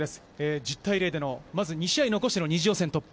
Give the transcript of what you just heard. １０対０での２試合残しての２次予選突破。